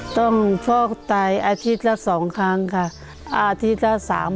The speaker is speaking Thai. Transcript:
ต้องโฟกตายอาทิตย์ละ๒ครั้งค่ะอาทิตย์ละ๓๖๐๐